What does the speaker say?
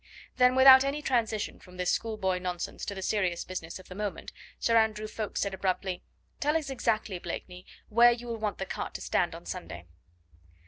Then without any transition from this schoolboy nonsense to the serious business of the moment, Sir Andrew Ffoulkes said abruptly: "Tell us exactly, Blakeney, where you will want the cart to stand on Sunday."